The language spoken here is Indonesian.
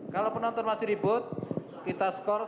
kalau penonton masih ribut kita skor